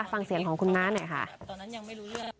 ฟังเสียงของคุณแม่หน่อยค่ะ